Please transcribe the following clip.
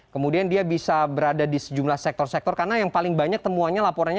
kemudian dia bisa berada di sejumlah sektor sektor karena yang paling banyak temuannya laporannya